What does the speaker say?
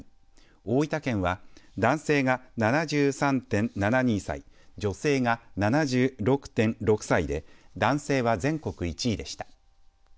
大分県は男性が７３．７２歳女性が７６．６歳で男性は全国１位でした。